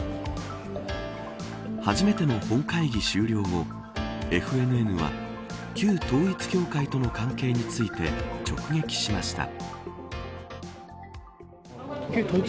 初めての本会議終了後ＦＮＮは旧統一教会との関係について直撃しました。